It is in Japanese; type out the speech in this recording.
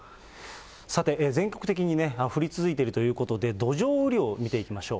さて、全国的にね、降り続いているということで、土壌雨量を見ていきましょう。